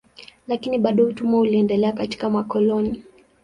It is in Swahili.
Lakini bado utumwa uliendelea katika makoloni.